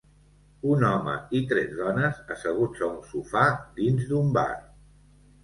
Un home i tres dones asseguts a un sofà dins d'un bar.